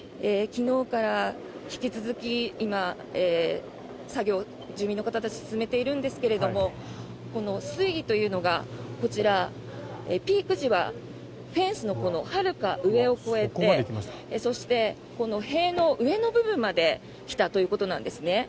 昨日から引き続き今、作業を住民の方たちが進めているんですが水位というのがこちら、ピーク時はフェンスのはるか上を超えてそして、この塀の上の部分まで来たということなんですね。